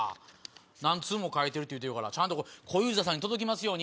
何通も書いてるって言うてるから小遊三さんに届きますように。